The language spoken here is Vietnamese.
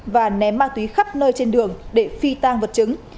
và ném ma túy khắp nơi trên đường để phi tang vật chứng